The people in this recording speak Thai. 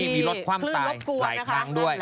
มีรถคว่ำตายหลายครั้งด้วย